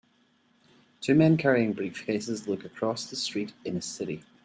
Two men carrying briefcases look across the street in a city.